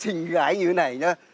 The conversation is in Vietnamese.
xinh gái như thế này nhá